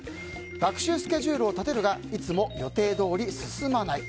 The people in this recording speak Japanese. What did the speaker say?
学習スケジュールを立てるがいつも予定どおり進まない。